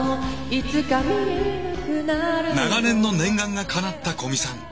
長年の念願がかなった古見さん。